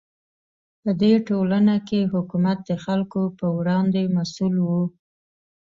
په دې ټولنه کې حکومت د خلکو په وړاندې مسوول و.